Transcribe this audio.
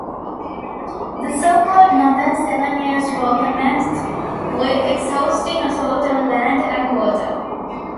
The so-called Northern Seven Years' War commenced, with exhausting assault on land and water.